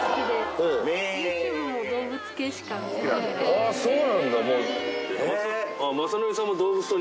あっそうなんだ。